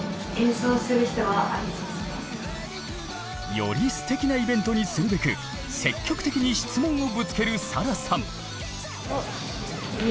よりすてきなイベントにするべく積極的に質問をぶつけるサラさん。